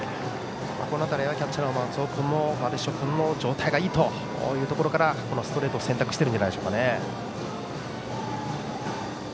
この辺りはキャッチャーの松尾君も別所君の状態がいいというところからストレートを選択しているんじゃないでしょうか。